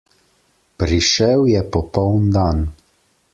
Prišel je popoln dan.